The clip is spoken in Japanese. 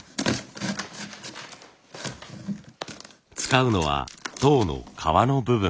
使うのは籐の皮の部分。